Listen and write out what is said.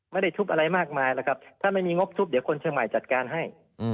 ไม่ได้ทุบอะไรมากมายแล้วครับถ้าไม่มีงบทุบเดี๋ยวคนเชียงใหม่จัดการให้